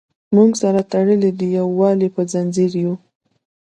موږ سره تړلي د یووالي په زنځیر یو.